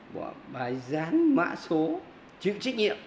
bà ấy dán mã số chịu trích nhiệm